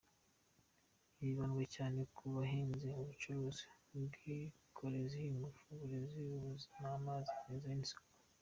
Hibandwa cyane ku buhinzi, ubucuruzi, ubwikorezi, ingufu, uburezi, ubuzima, amazi meza n’isuku.